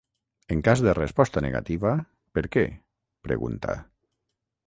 En cas de resposta negativa, per què?, pregunta.